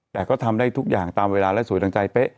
แต่ก็ทำได้ทุกอย่างตามเวลาและสวยดังใจเป๊ะ